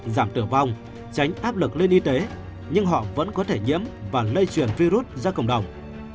giảm tử vong tránh áp lực lên y tế nhưng họ vẫn có thể nhiễm và lây truyền virus ra cộng đồng